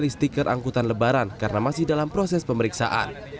tidak ada yang mengambil stiker angkutan lebaran karena masih dalam proses pemeriksaan